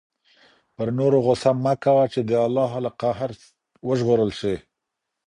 پر نورو غصه مه کوه چې د الله له قهر وژغورل شې.